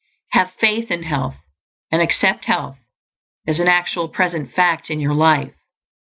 Have faith in health, and accept health as an actual present fact in your life.